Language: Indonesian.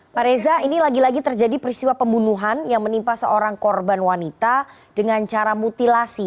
pak reza ini lagi lagi terjadi peristiwa pembunuhan yang menimpa seorang korban wanita dengan cara mutilasi